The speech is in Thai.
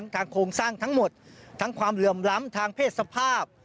โครงสร้างทั้งหมดทั้งความเหลื่อมล้ำทางเพศสภาพ